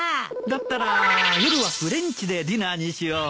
だったら夜はフレンチでディナーにしよう。